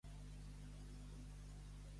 A Toluges, cebes.